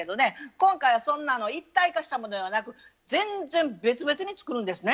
今回はそんな一体化したものではなく全然別々に作るんですね。